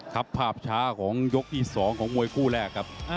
ครับภาพช้าของยกที่๒ของมวยคู่แรกครับ